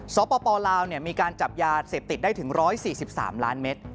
สปลาวมีการจับยาเสพติดได้ถึง๑๔๓ล้านเมตร